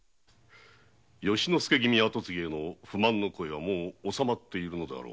由之助君跡継ぎに不満の声はもう納まっているのであろう？